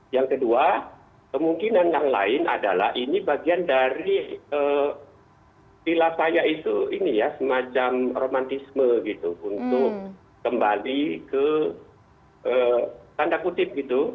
yang kedua kemungkinan yang lain adalah ini bagian dari silataya itu semacam romantisme untuk kembali ke tanda kutip gitu